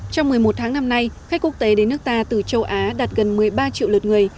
trong một mươi một tháng năm nay khách quốc tế đến nước ta từ châu á đạt gần một mươi ba triệu lượt người